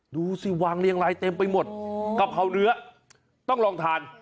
ดูสิวางเรียงลายเต็มไปหมดกะเพราเนื้อต้องลองทาน